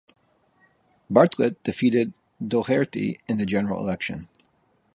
Bartlett defeated Dougherty in the general election.